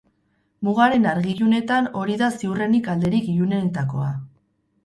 Mugaren argi-ilunetan hori da ziurrenik alderik ilunenetakoa.